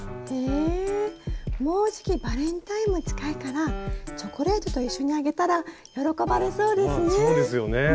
へえもうじきバレンタインも近いからチョコレートと一緒にあげたら喜ばれそうですね。